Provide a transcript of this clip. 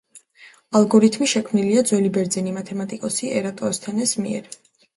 ალგორითმი შექმნილია ძველი ბერძენი მათემატიკოსი ერატოსთენეს მიერ.